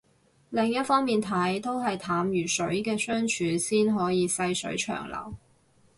另一方面睇都係淡如水嘅相處先可以細水長流